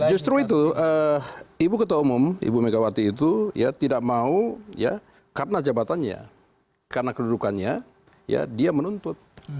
justru itu ibu ketua umum ibu megawati itu ya tidak mau ya karena jabatannya karena kedudukannya ya dia menuntut